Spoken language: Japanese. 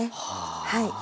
はい。